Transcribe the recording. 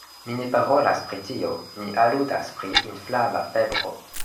Mi ne parolas pri tio: mi aludas pri inflama febro.